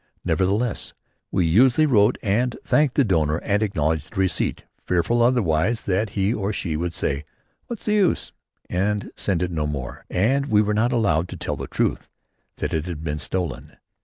Nevertheless, we usually wrote and thanked the donor and acknowledged the receipt, fearful otherwise that he or she should say: "What's the use?" and send no more. And we were not allowed to tell the truth that it had been stolen.